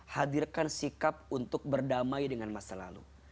hadirkan sikap untuk berdamai dengan masa lalu